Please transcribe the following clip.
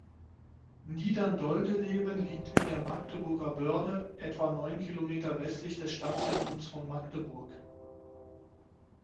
Niederndodeleben liegt in der Magdeburger Börde etwa neun Kilometer westlich des Stadtzentrums von Magdeburg.